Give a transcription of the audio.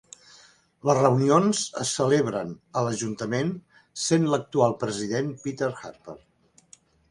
Les reunions es celebren a l'ajuntament, sent l'actual president Peter Harper.